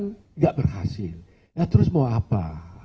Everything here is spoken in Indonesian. tidak berhasil nah terus mau apa